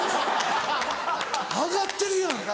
あがってるやん。